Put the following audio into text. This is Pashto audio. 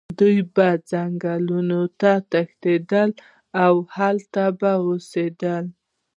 دوی به ځنګلونو ته تښتېدل او هلته به اوسېدل.